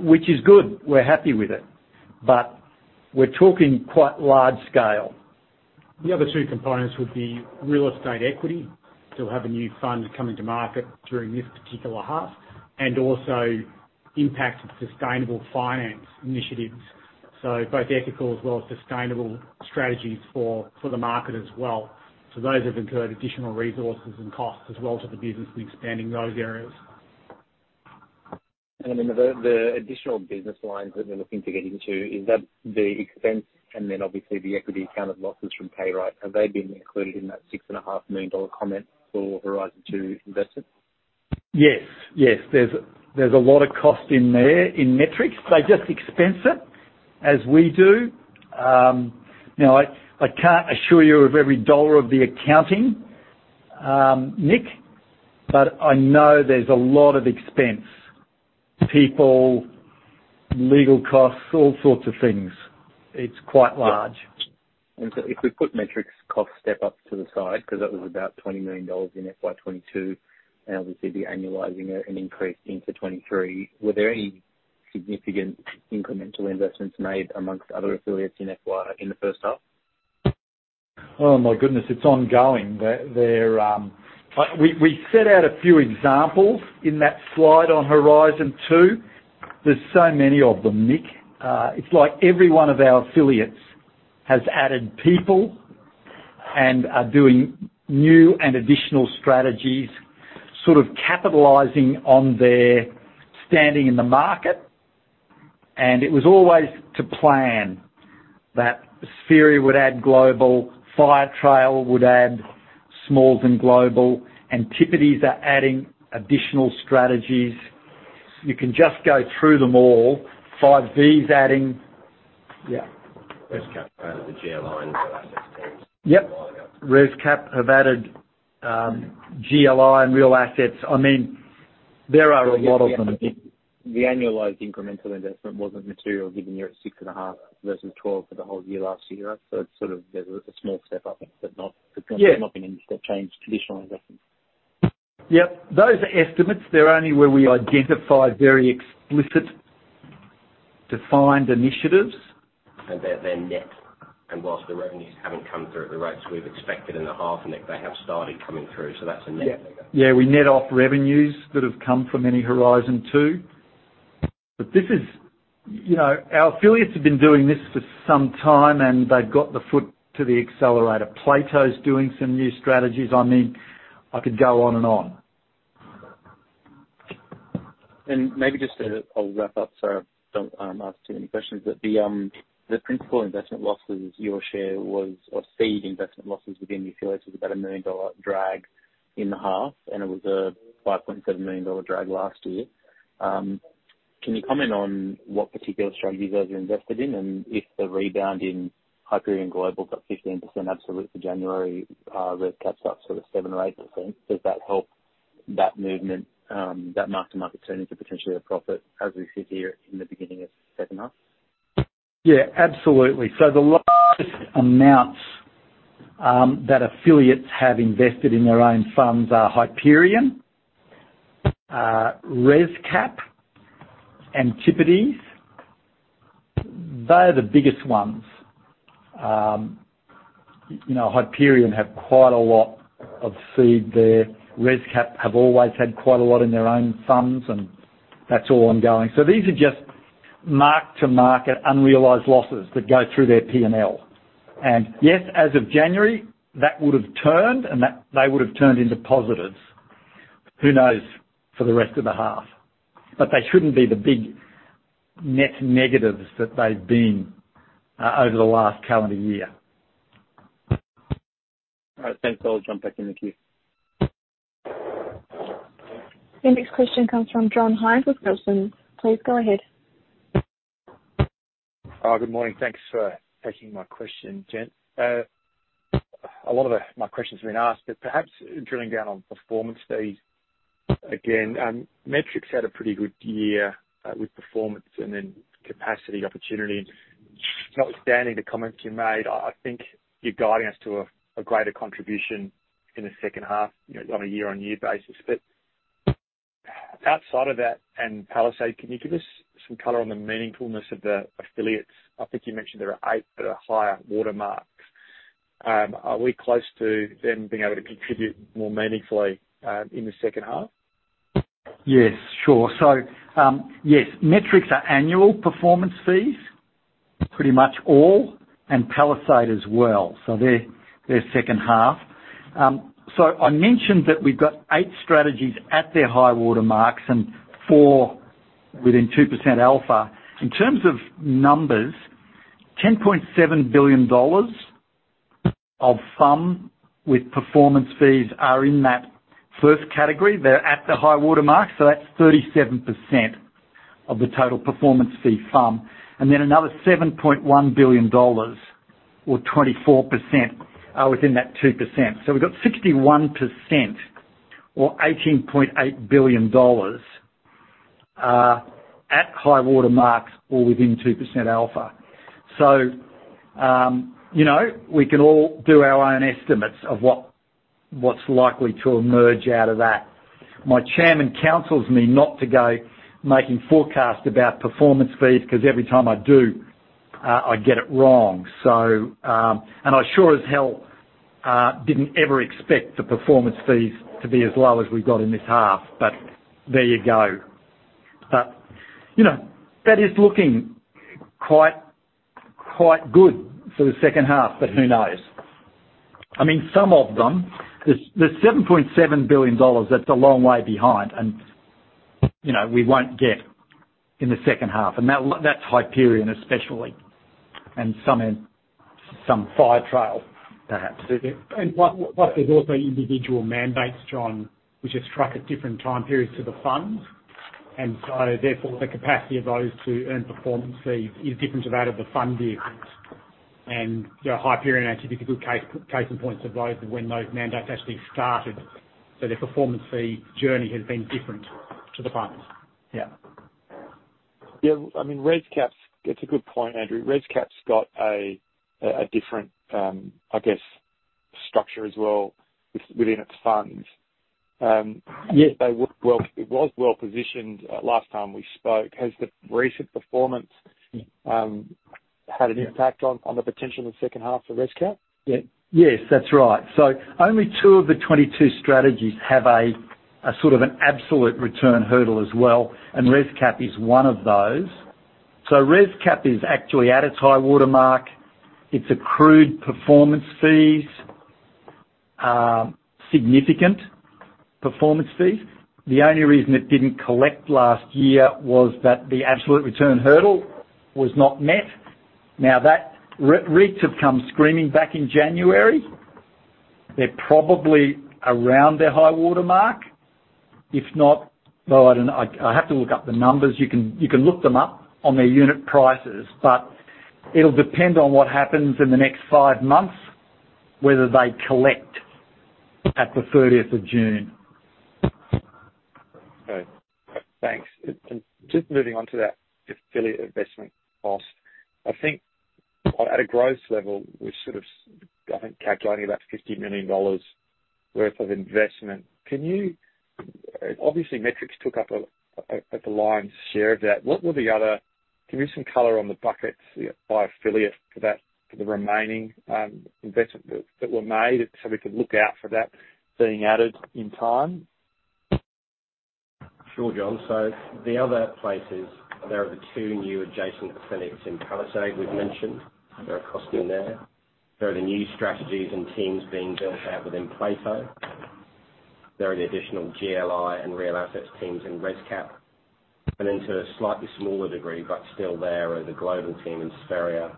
S2: which is good. We're happy with it. We're talking quite large scale.
S5: The other two components would be real estate equity. They'll have a new fund coming to market during this particular half, also impact of sustainable finance initiatives. Both ethical as well as sustainable strategies for the market as well. Those have incurred additional resources and costs as well to the business in expanding those areas.
S6: The additional business lines that they're looking to get into, is that the expense and then obviously the equity account of losses from Payright? Have they been included in that 6.5 million dollar comment for Horizon 2 investments?
S2: Yes. There's a lot of cost in there in Metrics. They just expense it as we do. Now, I can't assure you of every dollar of the accounting, Nick, but I know there's a lot of expense. People, legal costs, all sorts of things. It's quite large.
S6: If we put Metrics cost step up to the side, 'cause that was about 20 million dollars in FY22, and obviously the annualizing it and increase into 23, were there any significant incremental investments made amongst other affiliates in the first half?
S2: Oh, my goodness, it's ongoing. We set out a few examples in that slide on Horizon 2. There's so many of them, Nick. It's like every one of our affiliates has added people and are doing new and additional strategies, sort of capitalizing on their standing in the market. It was always to plan that Spheria would add global, Firetrail would add smalls and global. Antipodes are adding additional strategies. You can just go through them all. Five V's adding. Yeah.
S6: ResCap added the GLI and real assets teams a while ago.
S2: Yep. ResCap have added, GLI and real assets. I mean, there are models-
S6: The annualized incremental investment wasn't material, given you're at 6.5 versus 12 for the whole year last year. It's sort of a small step up, but not-
S2: Yeah.
S6: not gonna step change traditional investing.
S2: Yep. Those estimates, they're only where we identify very explicit defined initiatives.
S6: They're net. While the revenues haven't come through at the rates we've expected in the half, and they have started coming through, so that's a net figure.
S2: Yeah, we net off revenues that have come from any Horizon 2. This is. You know, our affiliates have been doing this for some time, and they've got the foot to the accelerator. Plato's doing some new strategies. I mean, I could go on and on.
S6: Maybe just to I'll wrap up so I don't ask too many questions. The principal investment losses, your share was or seed investment losses within the affiliates was about a 1 million dollar drag in the half, and it was a 5.7 million dollar drag last year. Can you comment on what particular strategies those are invested in? If the rebound in Hyperion Global got 15% absolute for January, ResCap's up sort of 7% or 8%. Does that help that movement, that mark-to-market turn into potentially a profit as we sit here in the beginning of second half?
S2: Yeah, absolutely. The largest amounts that affiliates have invested in their own funds are Hyperion, ResCap, Antipodes. They're the biggest ones. You know, Hyperion have quite a lot of seed there. ResCap have always had quite a lot in their own funds, and that's all ongoing. These are just mark-to-market unrealized losses that go through their P&L. Yes, as of January, that would've turned, and they would've turned into positives. Who knows for the rest of the half? They shouldn't be the big net negatives that they've been over the last calendar year.
S6: All right, thanks. I'll jump back in the queue.
S1: Your next question comes from John Hynd with Goldman. Please go ahead.
S7: Good morning. Thanks for taking my question, gent. My question's been asked, but perhaps drilling down on performance fees again. Metrics had a pretty good year with performance and then capacity opportunity. Notwithstanding the comments you made, I think you're guiding us to a greater contribution in the second half, you know, on a year-on-year basis. Outside of that, and Palisade, can you give us some color on the meaningfulness of the affiliates? I think you mentioned there are 8 that are higher water marks. Are we close to them being able to contribute more meaningfully in the second half?
S2: Yes, sure. Yes, Metrics are annual performance fees, pretty much all, and Palisade as well. They're second half. I mentioned that we've got eight strategies at their high water marks and four within 2% alpha. In terms of numbers, 10.7 billion dollars of FUM with performance fees are in that first category. They're at the high water mark, so that's 37% of the total performance fee FUM. Another AUD 7.1 billion or 24% are within that 2%. We've got 61% or 18.8 billion dollars at high water marks or within 2% alpha. You know, we can all do our own estimates of what's likely to emerge out of that. My chairman counsels me not to go making forecasts about performance fees, cause every time I do, I get it wrong. I sure as hell didn't ever expect the performance fees to be as low as we got in this half, there you go. You know, that is looking quite good for the second half, who knows? I mean, some of them, there's 7.7 billion dollars that's a long way behind, you know, we won't get in the second half. That's Hyperion especially and some Firetrail perhaps.
S5: Plus, there's also individual mandates, John, which have struck at different time periods to the funds. Therefore, the capacity of those to earn performance fees is different to that of the fund vehicles. You know, Hyperion actually could be a good case in point of those when those mandates actually started. Their performance fee journey has been different to the funds.
S2: Yeah.
S7: Yeah. I mean, That's a good point, Andrew. ResCap's got a different, I guess, structure as well within its funds. It was well-positioned last time we spoke. Has the recent performance had an impact on the potential in the second half for ResCap?
S2: Yeah. Yes, that's right. Only 2 of the 22 strategies have a sort of an absolute return hurdle as well, and ResCap is one of those. ResCap is actually at its high-water mark. It's accrued performance fees, significant performance fees. The only reason it didn't collect last year was that the absolute return hurdle was not met. That re-rates have come screaming back in January. They're probably around their high-water mark. If not, though, I don't know, I have to look up the numbers. You can, you can look them up on their unit prices, but it'll depend on what happens in the next five months, whether they collect at the 30th of June.
S7: Okay. Thanks. Just moving on to that affiliate investment cost. I think at a gross level, we're sort of, I think, calculating about 50 million dollars worth of investment. Can you... Obviously, Metrics took up a lion's share of that. What were the other? Give me some color on the buckets by affiliate for that, for the remaining investment that were made so we could look out for that being added in time.
S5: Sure, John. The other places, there are the two new adjacent clinics in Palisade we've mentioned. There are costs in there. There are the new strategies and teams being built out within Plato. There are the additional GLI and real assets teams in ResCap, to a slightly smaller degree, but still there are the global team in Spheria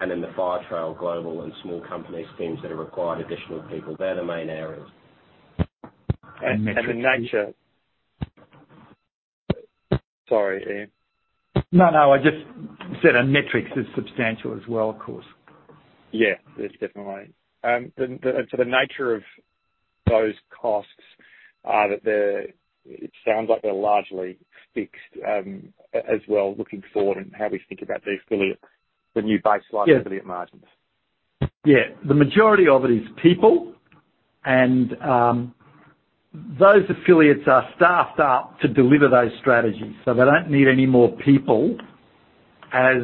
S5: and in the Firetrail global and small companies teams that have required additional people. They're the main areas.
S7: And, and the nature-
S2: Metrics.
S7: Sorry, Ian.
S2: No, no, I just said, and Metrics is substantial as well, of course.
S7: Yeah. It's definitely. The nature of those costs are that they're, it sounds like they're largely fixed, as well looking forward and how we think about the affiliate, the new baseline-
S2: Yeah.
S7: -affiliate margins.
S2: Yeah. The majority of it is people, and, those affiliates are staffed up to deliver those strategies. They don't need any more people as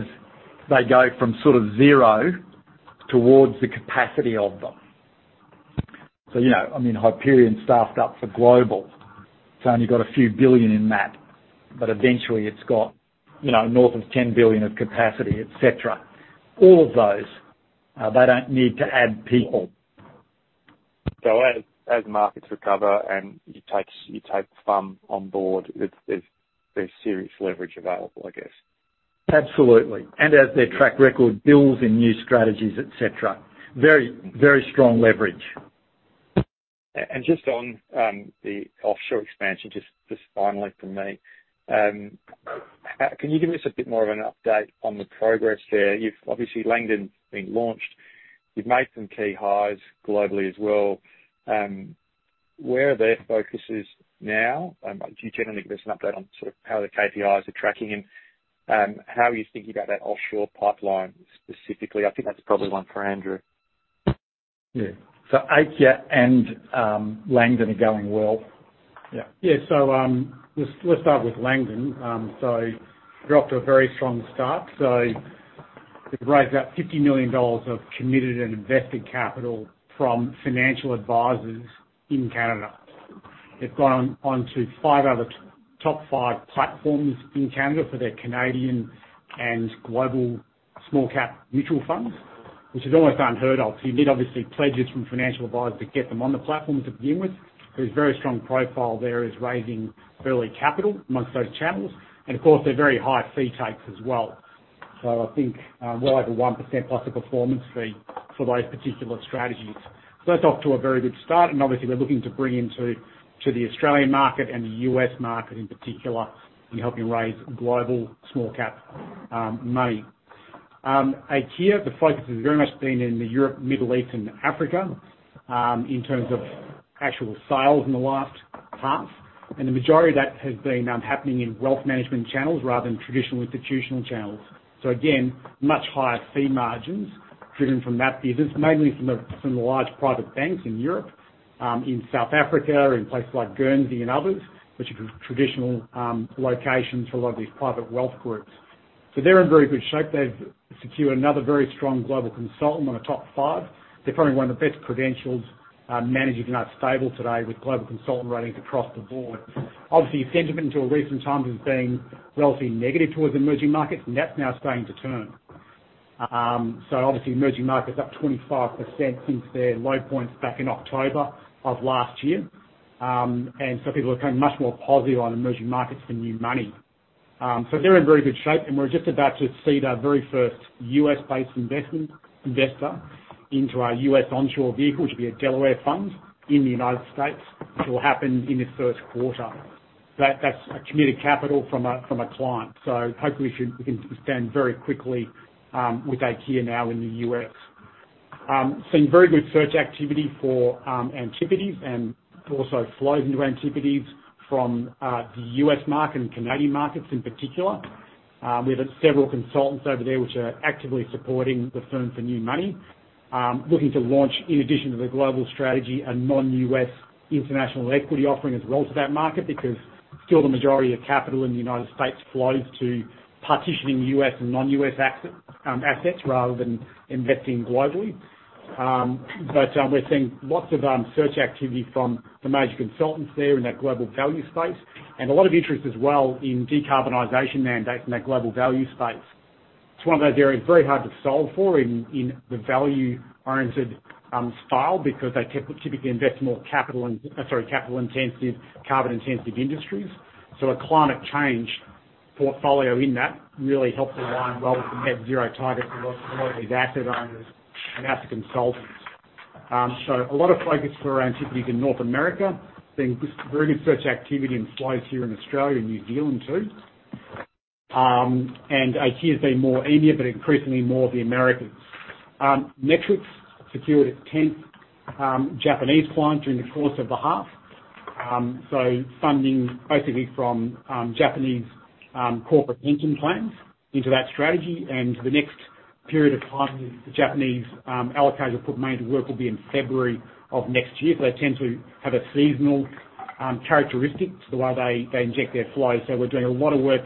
S2: they go from sort of zero towards the capacity of them. You know, I mean, Hyperion staffed up for global. It's only got a few billion in that, but eventually, it's got, you know, north of 10 billion of capacity, etcetera. All of those, they don't need to add people.
S7: As markets recover and you take FUM on board, there's serious leverage available, I guess.
S2: Absolutely. As their track record builds in new strategies, et cetera. Very, very strong leverage.
S7: Just on the offshore expansion, just finally from me, can you give us a bit more of an update on the progress there? Obviously, Langdon's been launched. You've made some key hires globally as well. Where are their focuses now? Can you generally give us an update on sort of how the KPIs are tracking and how are you thinking about that offshore pipeline specifically? I think that's probably one for Andrew.
S2: Yeah. Aikya and Langdon are going well.
S5: Yeah. Yeah. Let's start with Langdon. We've raised about 50 million dollars of committed and invested capital from financial advisors in Canada. They've gone on to five other top five platforms in Canada for their Canadian and global small cap mutual funds, which is almost unheard of. You need obviously pledges from financial advisors to get them on the platform to begin with. There's a very strong profile there is raising fairly capital amongst those channels. Of course, they're very high fee takes as well. I think, well over 1% plus a performance fee for those particular strategies. That's off to a very good start, and obviously, we're looking to bring into the Australian market and the U.S. market in particular in helping raise global small cap money. Aikya, the focus has very much been in the Europe, Middle East, and Africa, in terms of actual sales in the last half. The majority of that has been happening in wealth management channels rather than traditional institutional channels. Again, much higher fee margins driven from that business, mainly from the, from the large private banks in Europe, in South Africa, in places like Guernsey and others, which are traditional locations for a lot of these private wealth groups. They're in very good shape. They've secured another very strong global consultant on a top five. They're probably one of the best credentials managers in that stable today with global consultant ratings across the board. Sentiment until recent times has been relatively negative towards emerging markets, and that's now starting to turn. Obviously, emerging markets up 25% since their low points back in October of last year. People are becoming much more positive on emerging markets for new money. They're in very good shape, and we're just about to seed our very first U.S.-based investment, investor into our U.S. onshore vehicle, which will be a Delaware fund in the United States, which will happen in the first quarter. That's a committed capital from a client. Hopefully we can expand very quickly with Aikya now in the U.S. Seen very good search activity for Antipodes and also flows into Antipodes from the U.S. market and Canadian markets in particular. We've had several consultants over there which are actively supporting the firm for new money, looking to launch in addition to the global strategy a non-U.S. international equity offering as well to that market because still the majority of capital in the United States flows to partitioning U.S. and non-U.S. asset, assets rather than investing globally. We're seeing lots of search activity from the major consultants there in that global value space and a lot of interest as well in decarbonization mandates in that global value space. It's one of those areas very hard to solve for in the value-oriented style because they typically invest more capital-intensive, carbon-intensive industries. The climate change portfolio in that really helps align well with the net zero target of these asset owners and as a consultant. A lot of focus for Antipodes in North America, seeing this very good search activity in flows here in Australia and New Zealand too. AQ has been more India, but increasingly more of the Americans. Metrics secured its tenth Japanese client during the course of the half. Funding basically from Japanese corporate pension plans into that strategy. The next period of time, the Japanese allocator put mainly to work will be in February of next year. They tend to have a seasonal characteristic to the way they inject their flows. We're doing a lot of work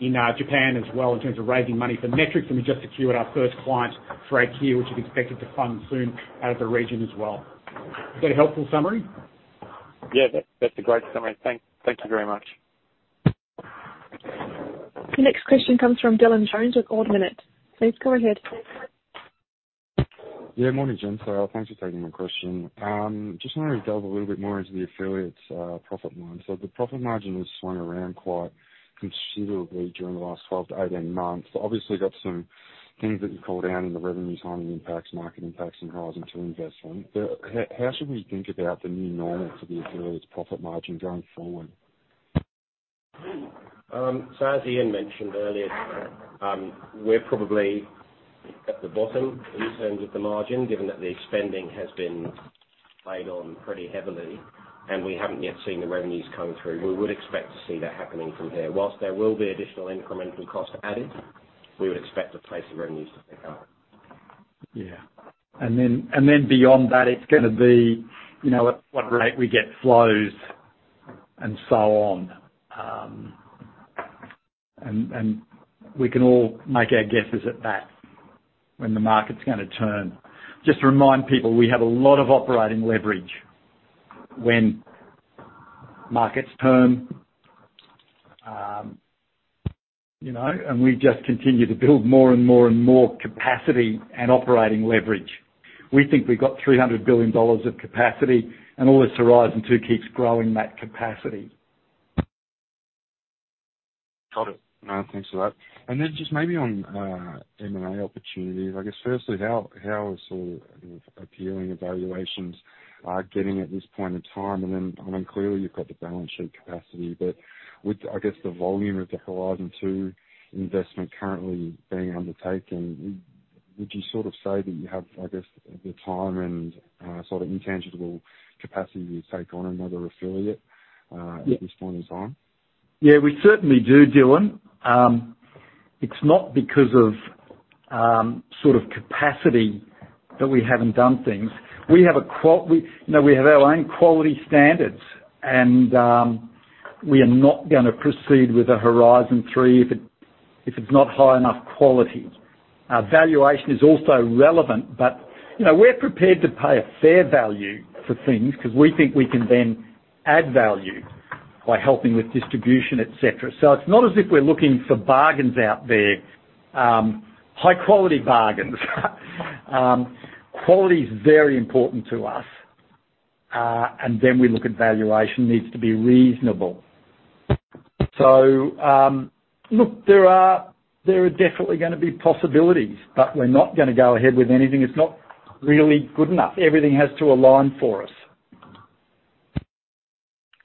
S5: in Japan as well in terms of raising money for Metrics, and we just secured our first client for AQ, which is expected to fund soon out of the region as well. Is that a helpful summary?
S2: That's a great summary. Thank you very much.
S1: The next question comes from Dylan Jones at Ord Minnett. Please go ahead.
S8: Morning, gents. Thanks for taking my question. Just wanna delve a little bit more into the affiliates' profit margin. The profit margin has swung around quite considerably during the last 12 to 18 months. Obviously got some things that you call down in the revenue timing impacts, market impacts and Horizon 2 investment. How should we think about the new normal for the affiliates' profit margin going forward?
S5: As Ian mentioned earlier, we're probably at the bottom in terms of the margin, given that the spending has been played on pretty heavily and we haven't yet seen the revenues come through. We would expect to see that happening from here. Whilst there will be additional incremental cost added, we would expect to place the revenues to pick up.
S2: Yeah. Beyond that, it's gonna be, you know, at what rate we get flows and so on. We can all make our guesses at that when the market's gonna turn. Just to remind people, we have a lot of operating leverage when markets turn, you know, and we just continue to build more and more and more capacity and operating leverage. We think we've got 300 billion dollars of capacity and all this Horizon 2 keeps growing that capacity.
S8: Got it. No, thanks for that. Just maybe on M&A opportunities, I guess, firstly, how sort of appealing evaluations are getting at this point in time? I mean, clearly you've got the balance sheet capacity, but with, I guess, the volume of the Horizon 2 investment currently being undertaken, would you sort of say that you have, I guess, the time and sort of intangible capacity to take on another affiliate at this point in time?
S2: We certainly do, Dylan. It's not because of sort of capacity that we haven't done things. We have our own quality standards, and we are not gonna proceed with a Horizon 3 if it's not high enough quality. Our valuation is also relevant, but, you know, we're prepared to pay a fair value for things because we think we can then add value by helping with distribution, et cetera. It's not as if we're looking for bargains out there. High quality bargains. Quality is very important to us, and then we look at valuation needs to be reasonable. Look, there are definitely gonna be possibilities, but we're not gonna go ahead with anything that's not really good enough. Everything has to align for us.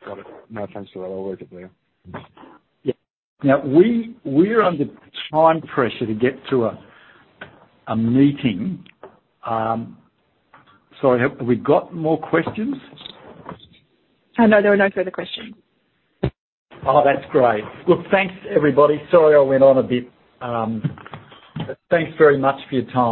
S8: Got it. No, thanks for that. I'll leave it there.
S2: Yeah. We, we're under time pressure to get to a meeting. Sorry, have we got more questions?
S1: No, there are no further questions.
S2: That's great. Look, thanks, everybody. Sorry I went on a bit. Thanks very much for your time.